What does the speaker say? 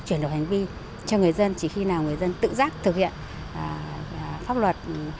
chuyển đổi hành vi cho người dân chỉ khi nào người dân tự giác thực hiện pháp luật